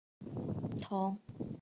同区新世界发展大型住宅项目